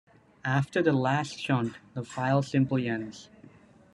After the last chunk the file simply ends.